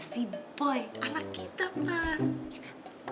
demi kebaikan si boy anak kita pak